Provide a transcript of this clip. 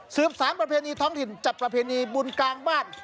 สารประเพณีท้องถิ่นจัดประเพณีบุญกลางบ้าน